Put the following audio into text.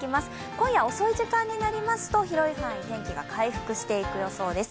今夜遅い時間になりますと広い範囲で天気が回復していく予報です。